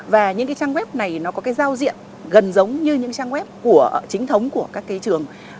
và những trang web này có giao diện gần giống như những trang web chính thống của các trường